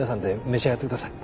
召し上がってください。